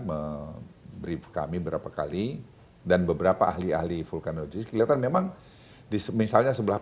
memberi kami berapa kali dan beberapa ahli ahli vulkanologis kelihatan memang di misalnya sebelah